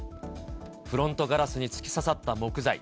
フロントガラスに突き刺さった木材。